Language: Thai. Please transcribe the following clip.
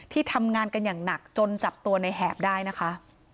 ที่ทำงานกันอย่างหนักจนจับตัวในแหบได้นะคะ